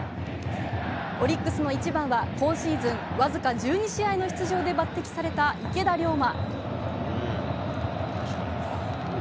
オリックスの１番は、今シーズン僅か１２試合の出場で抜てきされた池田陵真。